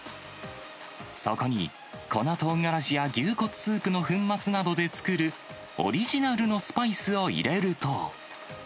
そこに、粉とうがらしや牛骨スープの粉末などで作るオリジナルのスパイスを入れると。